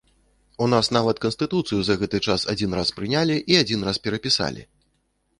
У нас нават канстытуцыю за гэты час адзін раз прынялі і адзін раз перапісалі.